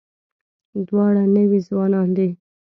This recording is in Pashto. دواړه نوي ځوانان دي.